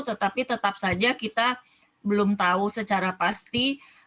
tetapi tetap saja kita belum tahu secara pasti